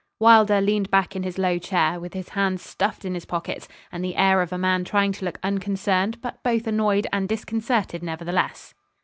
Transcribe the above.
Wylder leaned back in his low chair, with his hands stuffed in his pockets, and the air of a man trying to look unconcerned, but both annoyed and disconcerted nevertheless.